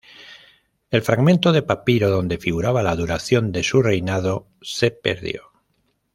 El fragmento de papiro donde figuraba la duración de su reinado se perdió.